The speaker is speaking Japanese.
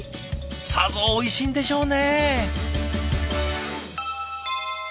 さぞおいしいんでしょうね。